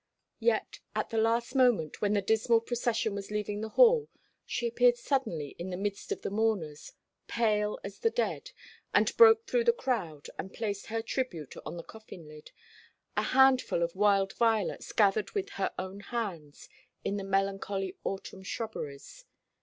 Yet at the last moment, when the dismal procession was leaving the hall, she appeared suddenly in the midst of the mourners, pale as the dead, and broke through the crowd, and placed her tribute on the coffin lid, a handful of wild violets gathered with her own hands in the melancholy autumn shrubberies.